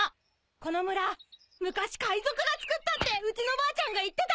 この村昔海賊がつくったってうちのばあちゃんが言ってた！